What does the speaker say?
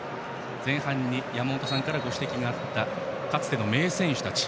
前半に山本さんからご指摘があったかつての名選手たち。